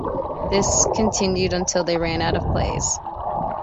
This continued until they ran out of plays.